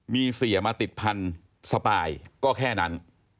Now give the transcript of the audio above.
มีเสียมาติดพันธุ์สปายก็แค่นั้น